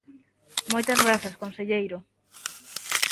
Moitas grazas conselleiro.